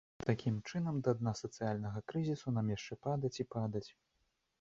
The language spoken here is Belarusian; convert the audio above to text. Такім чынам, да дна сацыяльнага крызісу нам яшчэ падаць і падаць.